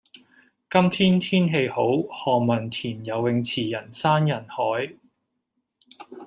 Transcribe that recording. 今日天氣好，何文田游泳池人山人海。